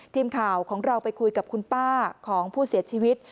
ทีมข่าวของเราไปคุยกับคุณป้าของผู้เสียชีวิต